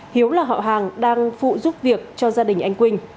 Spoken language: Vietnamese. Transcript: hiếu là họ hàng đang phụ giúp việc cho gia đình anh quynh